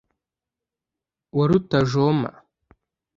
wa rutajoma